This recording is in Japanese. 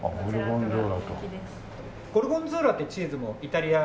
ゴルゴンゾーラっていうチーズもイタリア。